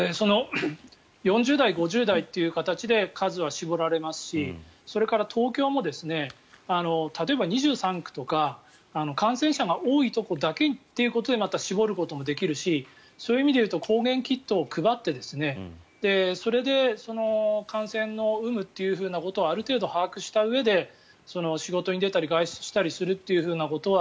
４０代、５０代という形で数は絞られますしそれから東京も例えば２３区とか感染者が多いところだけということでまた絞ることもできるしそういう意味でいうと抗原キットを配ってそれで、感染の有無ということをある程度把握したうえで仕事に出たり外出したりということは